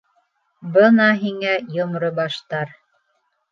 Бына һиңә Йомро баштар!